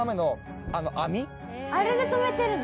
あれで止めてるの？